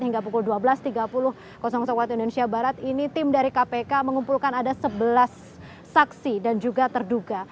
hingga pukul dua belas tiga puluh waktu indonesia barat ini tim dari kpk mengumpulkan ada sebelas saksi dan juga terduga